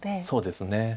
そうですね。